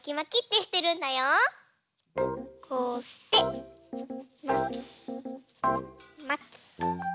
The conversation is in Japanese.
こうしてまきまき。